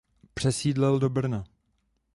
Přesídlil do Brna.